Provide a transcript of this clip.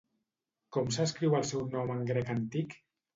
Com s'escriu el seu nom en grec antic?